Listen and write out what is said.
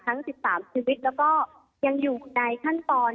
ทั้ง๑๓ชีวิตแล้วก็ยังอยู่ในขั้นตอน